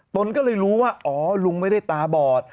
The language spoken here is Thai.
ตนก็เลยรู้ว่าอ๋อลุงไม่ได้ตาบอด